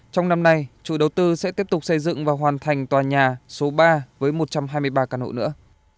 trong năm nay chủ đầu tư sẽ tiếp tục xây dựng và hoàn thành tòa nhà số ba với một trăm hai mươi ba căn hộ nữa